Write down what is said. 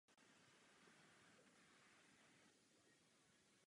Odpovědnost nesou především členské státy.